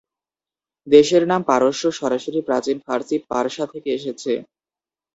দেশের নাম পারস্য সরাসরি প্রাচীন ফারসি পারসা থেকে এসেছে।